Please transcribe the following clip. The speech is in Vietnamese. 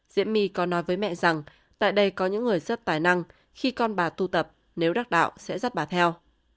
diễm my có nói với mẹ rằng tại đây có những người rất tài năng khi con bà tu tập nếu đắc đạo sẽ rắt bà theo